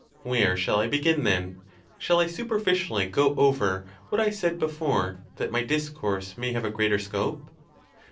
Where shall I be gin, then? Shall I superficially go over what I said be fore, that my discourse may have a greater scope?